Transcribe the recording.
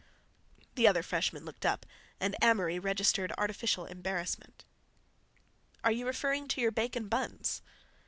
The other freshman looked up and Amory registered artificial embarrassment. "Are you referring to your bacon buns?"